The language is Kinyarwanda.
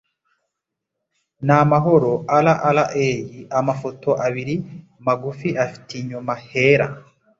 n'amahoro “RRA” Amafoto abiri magufa afite inyuma hera